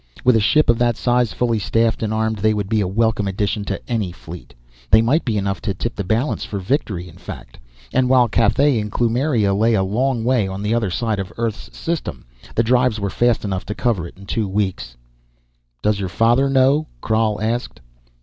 With a ship of that size, fully staffed and armed, they would be a welcome addition to any fleet. They might be enough to tip the balance for victory, in fact. And while Cathay and Kloomiria lay a long way on the other side of Earth's system, the drives were fast enough to cover it in two weeks. "Does your father know?" Krhal asked.